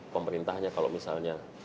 pemerintahnya kalau misalnya